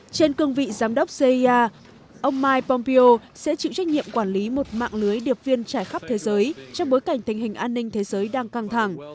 trên cương vị giám đốc cia ông mike pompeo sẽ chịu trách nhiệm quản lý một mạng lưới điệp viên trải khắp thế giới trong bối cảnh tình hình an ninh thế giới đang căng thẳng